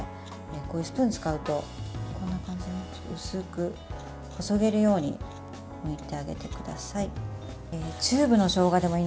スプーンを使うと、こんな感じに薄くこそげるようにむいてあげてください。